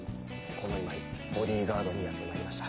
この今井ボディーガードにやってまいりました。